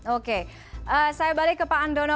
oke saya balik ke pak andono